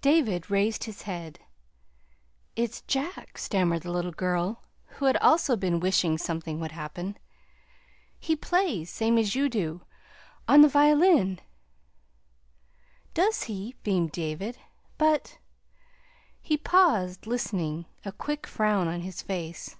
David raised his head. "It's Jack," stammered the little girl who also had been wishing something would happen. "He plays, same as you do, on the violin." "Does he?" beamed David. "But " He paused, listening, a quick frown on his face.